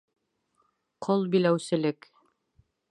Ҡол биләүселек.